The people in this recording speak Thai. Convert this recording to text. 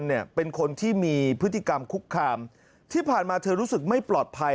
เนี่ยเป็นคนที่มีพฤติกรรมคุกคามที่ผ่านมาเธอรู้สึกไม่ปลอดภัย